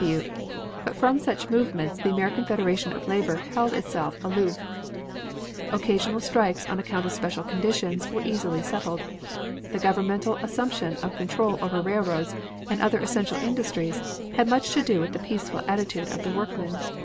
W. W., but from such movements the American Federation of Labor held itself aloof. Occasional strikes, on account of special conditions, were easily settled. The governmental assumption of control over railroads and other essential industries had much to do with the peaceful attitude of the workmen.